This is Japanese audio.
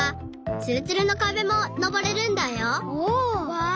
わあ！